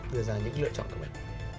đưa ra những lựa chọn của mình